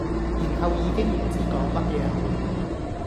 然後已經唔知講乜嘢好